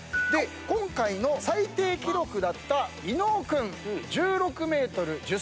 今回の最低記録だった伊野尾君１６ｍ１０ｃｍ